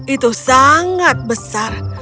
itu sangat besar